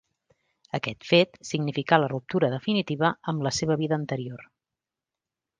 Aquest fet significà la ruptura definitiva amb la seva vida anterior.